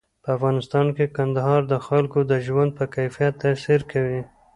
په افغانستان کې کندهار د خلکو د ژوند په کیفیت تاثیر کوي.